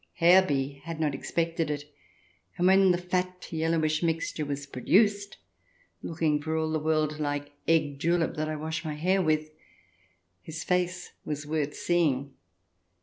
Herr B had not expected it, and when the fat, yellowish mixture was produced, looking for all the world like egg julep that I wash my hair with, his face was worth seeing.